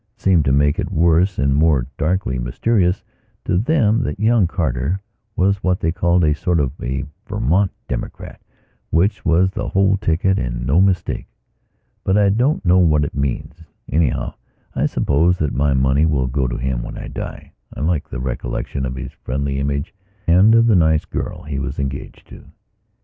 It seemed to make it worse and more darkly mysterious to them that young Carter was what they called a sort of a Vermont Democrat which was the whole ticket and no mistake. But I don't know what it means. Anyhow, I suppose that my money will go to him when I dieI like the recollection of his friendly image and of the nice girl he was engaged to.